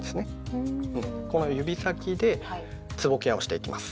この指先でつぼケアをしていきます。